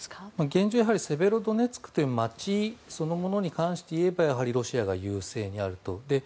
現状、セベロドネツクという街そのものに関して言えばやはりロシアが優勢にあると。